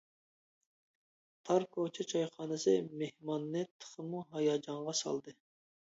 تار كوچا چايخانىسى مېھماننى تېخىمۇ ھاياجانغا سالدى.